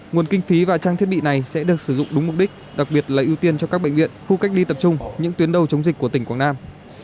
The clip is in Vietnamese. nguồn kinh phí và trang thiết bị này sẽ được sử dụng đúng mục đích đặc biệt là ưu tiên cho các bệnh viện khu cách ly tập trung những tuyến đầu chống dịch của tỉnh quảng nam